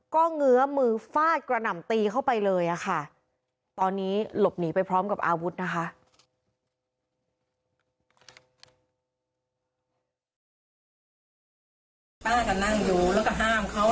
ก็เงื้อมือฟาดกระหน่ำตีเข้าไปเลยค่ะตอนนี้หลบหนีไปพร้อมกับอาวุธนะคะ